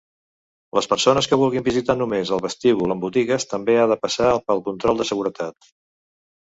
Les persones que vulguin visitar només el vestíbul amb botigues també ha de passar pel control de seguretat.